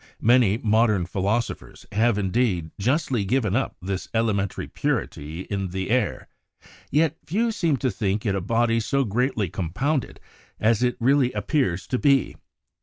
Many modern philosophers have, indeed, justly given up this elementary purity in the air, yet few seem to think it a body so greatly compounded as it really appears to be.